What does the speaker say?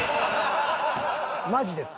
マジです。